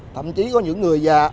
thậm chí có những người già